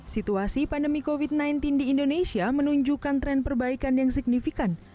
situasi pandemi covid sembilan belas di indonesia menunjukkan tren perbaikan yang signifikan